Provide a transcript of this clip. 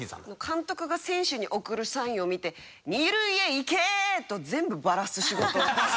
監督が選手に送るサインを見て「２塁へ行けー！」と全部バラす仕事。